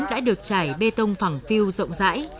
đã được trải bê tông phẳng phiêu rộng rãi